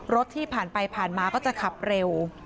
รถที่ผ่านไปผ่านมาก็จะขับเร็ว